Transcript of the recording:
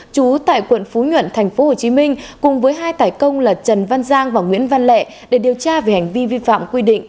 trú tại quận phú nhuận tp hcm cùng với hai tài công là trần văn giang và nguyễn văn lẹ để điều tra về hành vi vi phạm quy định